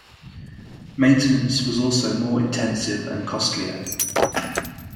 Maintenance was also more intensive and costlier.